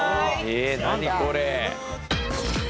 え何これ。